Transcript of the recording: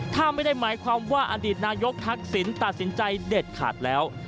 ถ้าไม่ได้หมายความว่าอดีตนายกทักษิณตัดสินใจเด็ดขาดแล้ว